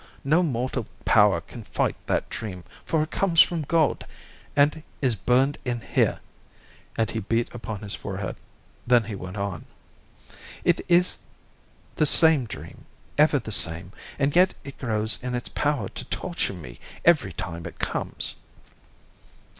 No mortal power can fight that dream, for it comes from God—and is burned in here;" and he beat upon his forehead. Then he went on: "It is the same dream, ever the same, and yet it grows in its power to torture me every time it comes."